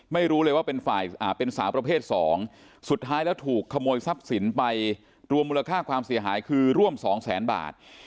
ไม่รู้เลยว่าเป็นฝ่ายเป็นสาวประเภทสองสุดท้ายแล้วถูกขโมยทรัพย์สินไปรวมมูลค่าความเสียหายคือร่วมสองแสนบาท